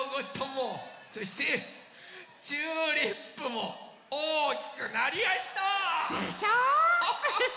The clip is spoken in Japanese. もそしてチューリップもおおきくなりやした！でしょう？